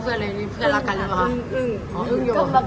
เพื่อนรักกันหรือเปล่าคะ